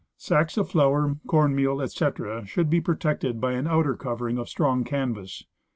Sacks of flour, corn meal, etc., sh ould be protected by an outer covering of strong canvas.